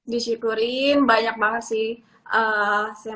disyukuri banyak banget sih